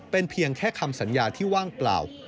เป็นเพียงแค่คำสัญญาที่ว่างเปล่า